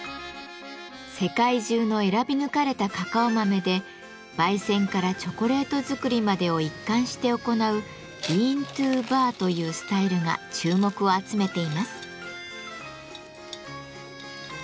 世界中の選び抜かれたカカオ豆で焙煎からチョコレート作りまでを一貫して行う「ビーントゥーバー」というスタイルが注目を集めています。